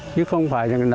chứ không phải là